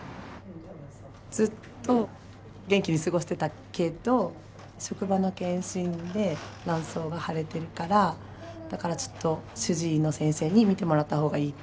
ずっと元気に過ごしてたけど職場の検診で卵巣が腫れているからだからちょっと主治医の先生に診てもらった方がいいって言われて。